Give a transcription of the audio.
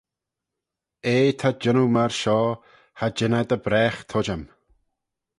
Eh ta jannoo myr shoh: cha jean eh dy bragh tuittym.